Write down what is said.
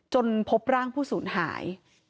พบร่างผู้สูญหาย